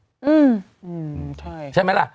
อืมอืมใช่ไหมละ